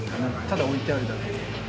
ただ置いてあるだけ。